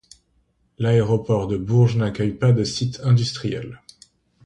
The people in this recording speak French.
L'aéroport de Bourges n'accueille pas de site industriel.